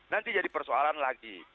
nanti jadi persoalan lagi